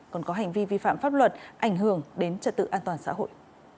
còn có hành vi vi phạm pháp luật ảnh hưởng đến trật tự an toàn xã hội